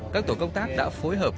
các tổ công tác đã phối hợp